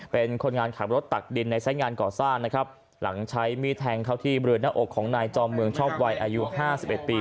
เป็นคนงานขับรถตักดินในสายงานก่อสร้างนะครับหลังใช้มีดแทงเข้าที่บริเวณหน้าอกของนายจอมเมืองชอบวัยอายุห้าสิบเอ็ดปี